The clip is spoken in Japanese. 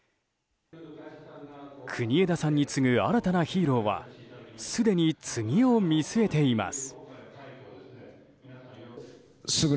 国枝さんに次ぐ新たなヒーローはすでに次を見据えています。